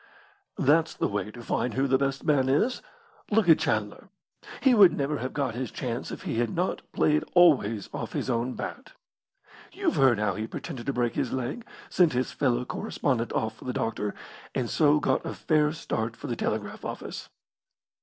"That's the way to find who the best man is. Look at Chandler. He would never have got his chance if he had not played always off his own bat. You've heard how he pretended to break his leg, sent his fellow correspondent off for the doctor, and so got a fair start for the telegraph office."